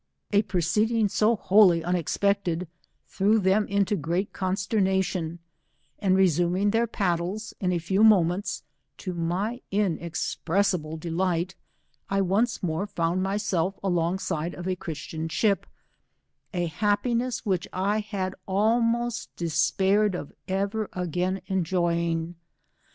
A proceeding so wholly unexpected, threw them into great coogter« nation, and resuming their paddles, in a few R 3 190 moments, to my inexpressible delight, I once more found myself along side of a Christian ship, a happiness which I had almost despaired of ever again enjoying.